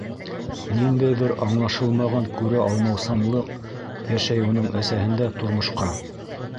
Ниндәйҙер аңлашылмаған күрә алмаусанлыҡ йәшәй уның әсәһендә тормошҡа.